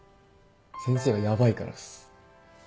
先生がヤバいからっす。